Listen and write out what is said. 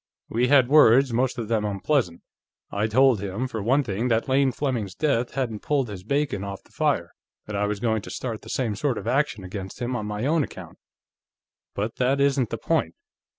We had words, most of them unpleasant. I told him, for one thing, that Lane Fleming's death hadn't pulled his bacon off the fire, that I was going to start the same sort of action against him on my own account. But that isn't the point.